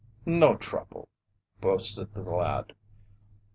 "No trouble," boasted the lad.